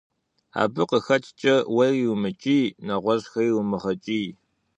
Абы къэхэкӀкӀэ уэри умыкӀий, нэгъуэщӀхэри умыгъэкӀий.